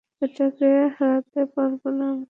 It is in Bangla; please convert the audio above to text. এটাকে হারাতে পারবো না আমি।